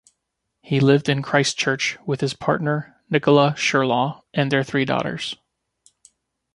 He lived in Christchurch with his partner Nicola Shirlaw, and their three daughters.